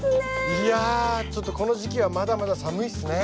いやこの時期はまだまだ寒いっすね。